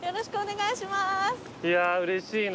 いやーうれしいな。